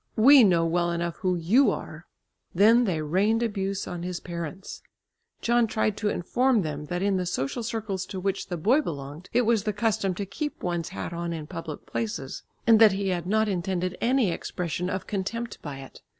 We know well enough who you are." Then they rained abuse on his parents. John tried to inform them that in the social circles to which the boy belonged, it was the custom to keep one's hat on in public places, and that he had not intended any expression of contempt by it.